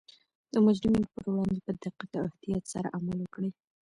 د مجرمینو پر وړاندې په دقت او احتیاط سره عمل وکړي